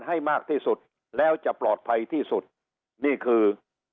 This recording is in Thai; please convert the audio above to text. ให้มากที่สุดแล้วจะปลอดภัยที่สุดนี่คือ